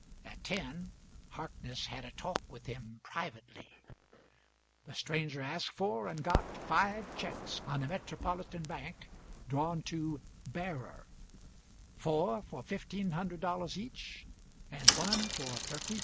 At ten Harkness had a talk with him privately. The stranger asked for and got five cheques on a metropolitan bank drawn to "Bearer," four for $1,500 each, and one for $34,000.